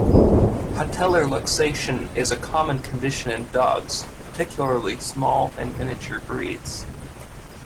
Patellar luxation is a common condition in dogs, particularly small and miniature breeds.